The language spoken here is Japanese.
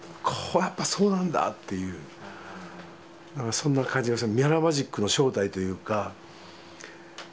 そんな感じがする。